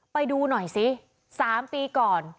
ไปดูหน่อยซิ๓ปีก่อน